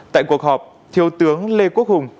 tại cuộc họp thiếu tướng lê quốc hùng